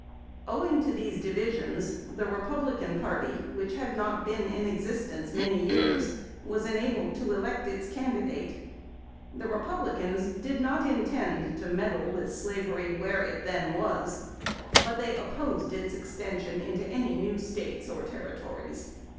Owing to these divisions the Republican party, which had not been in existence many years, was enabled to elect its candi date. The Republicans did not intend to meddle with slavery where it then was. but opposed its extension into an}' new States and Territories.